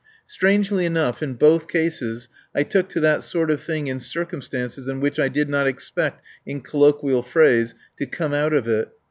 Strangely enough, in both cases I took to that sort of thing in circumstances in which I did not expect, in colloquial phrase, "to come out of it."